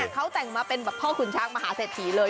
เขาแต่งมาเป็นพ่อคุณชักมาหาเศรษฐีเลย